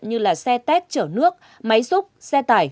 như là xe tét chở nước máy xúc xe tải